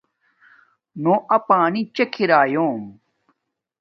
نو اپانݵ چک ارالِیوم